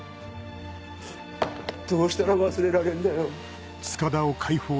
どうしたら忘れられんだよ。